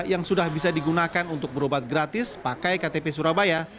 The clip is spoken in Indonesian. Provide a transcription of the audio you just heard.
yang sudah bisa digunakan untuk berobat gratis pakai ktp surabaya